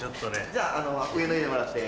じゃあ上脱いでもらって。